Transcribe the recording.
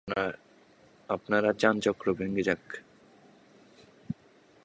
আপনারা চান চক্র ভেঙে যাক?